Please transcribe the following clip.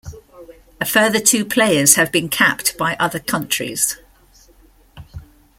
A further two players have been capped by other countries.